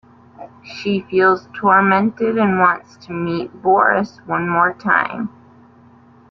She feels tormented and wants to meet Boris one more time.